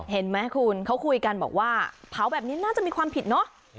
เห็นไหมคุณเขาคุยกันบอกว่าเผาแบบนี้น่าจะมีความผิดเนอะ